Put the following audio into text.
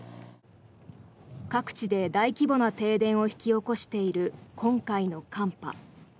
各地で大規模な停電を引き起こしている今回の寒波。